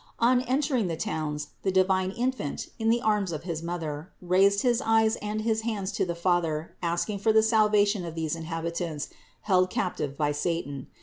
On entering the towns the divine Infant, in the arms of his Mother, raised his eyes and his hands to the Father asking for the salvation of these inhabitants held captive by satan.